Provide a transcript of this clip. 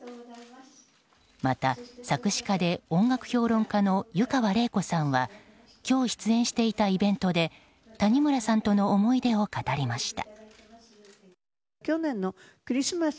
また、作詞家で音楽評論家の湯川れい子さんは今日、出演していたイベントで谷村さんとの思い出を語りました。